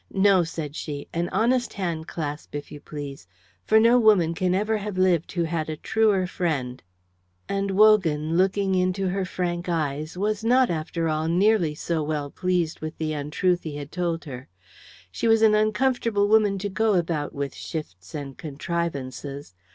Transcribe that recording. "No," said she, "an honest handclasp, if you please; for no woman can have ever lived who had a truer friend," and Wogan, looking into her frank eyes, was not, after all, nearly so well pleased with the untruth he had told her. She was an uncomfortable woman to go about with shifts and contrivances.